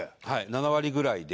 ７割ぐらいで。